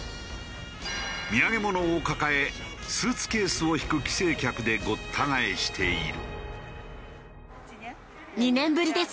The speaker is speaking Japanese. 土産物を抱えスーツケースを引く帰省客でごった返している。